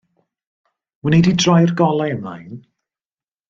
Wnei di droi'r golau ymlaen.